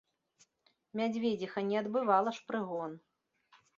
Мядзведзіха не адбывала ж прыгон.